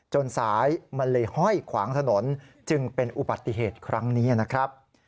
สายมันเลยห้อยขวางถนนจึงเป็นอุบัติเหตุครั้งนี้นะครับ